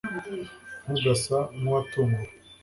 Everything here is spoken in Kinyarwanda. ntugasa nkuwatunguwe